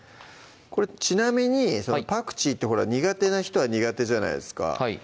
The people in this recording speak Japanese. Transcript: これちなみにパクチーってほら苦手な人は苦手じゃないですか